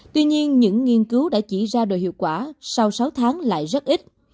tuy nhiên những nghiên cứu đã chỉ ra đồ hiệu quả sau sáu tháng lại rất ít